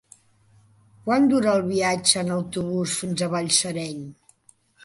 Quant dura el viatge en autobús fins a Balsareny?